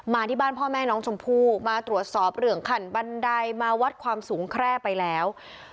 ที่บ้านพ่อแม่น้องชมพู่มาตรวจสอบเรื่องขันบันไดมาวัดความสูงแคร่ไปแล้ว